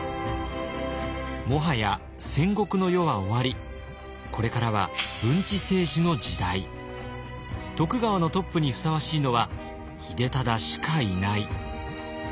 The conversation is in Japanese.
もはや戦国の世は終わりこれからは徳川のトップにふさわしいのは秀忠しかいない。